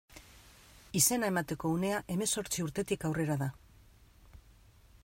Izena emateko unea hemezortzi urtetik aurrera da.